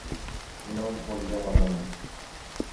No ens moriríem l’endemà.